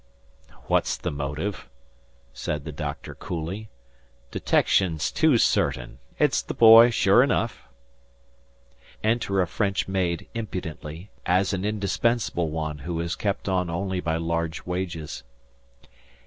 "What's the motive?" said the doctor, coolly. "Detection's too certain. It's the boy sure enough." Enter a French maid, impudently, as an indispensable one who is kept on only by large wages.